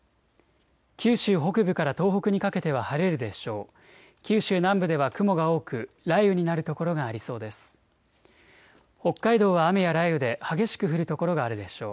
九州北部から東北にかけては晴れるでしょう。